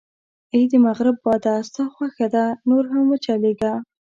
اې د مغرب باده، ستا خوښه ده، نور هم و چلېږه.